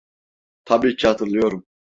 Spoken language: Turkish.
Tabii ki hatırlıyorum.